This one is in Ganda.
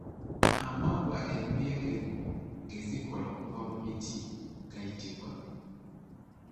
Amaggwa enkuyege ge zikola okuva mu miti gayitibwa?